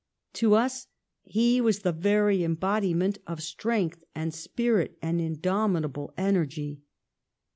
To us he was the very embodiment of strength and spirit and indomitable energy.